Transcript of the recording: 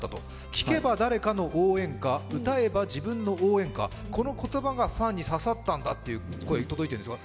「聞けば誰かの応援歌歌えば自分の応援歌」、この言葉がファンに刺さったんだという声が届いてるんです。